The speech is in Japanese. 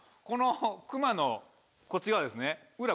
このクマのこっち側ですね。